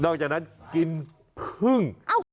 นอกจากนั้นกินผึ้ง